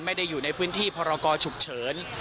ไม่ได้อยู่ในพื้นที่พรกชุกเฉิน